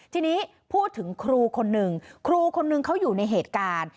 ทีนี้พูดถึงครูคนหนึ่งครูคนนึงเขาอยู่ในเหตุการณ์